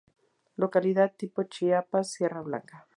Localidad tipo: Chiapas: Sierra Blanca.